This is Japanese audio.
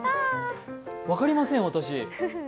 分かりません、私。